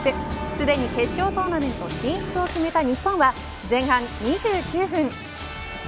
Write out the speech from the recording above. すでに決勝トーナメント進出を決めた日本は前半２９分。